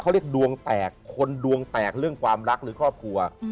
เขาเรียกดวงแตกคนดวงแตกเรื่องความรักหรือครอบครัว